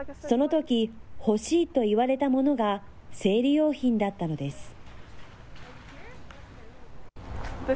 そのとき、欲しいと言われたものが生理用品だったのです。